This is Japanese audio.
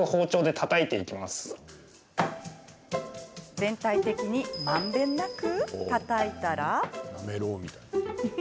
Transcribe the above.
全体的にまんべんなくたたいたら。